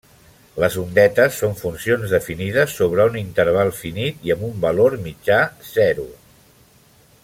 Les ondetes són funcions definides sobre un interval finit i amb un valor mitjà zero.